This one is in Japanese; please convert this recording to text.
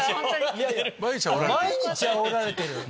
「毎日あおられている」